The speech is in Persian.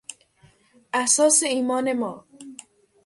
اساس ایمان ما